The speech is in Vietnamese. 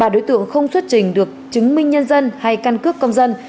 ba đối tượng không xuất trình được chứng minh nhân dân hay căn cước công dân